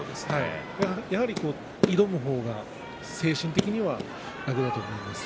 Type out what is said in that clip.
やはり挑む方が精神的には楽だと思います。